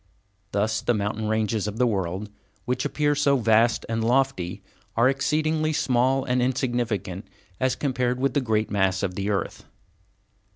Thus the mountain ranges of the world which appear so vast and lofty are exceedingly small and insignificant as compared with the great mass of the earth.